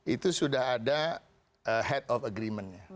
itu sudah ada head of agreementnya